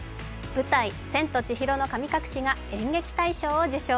舞台「千と千尋の神隠し」が演劇大賞を受賞。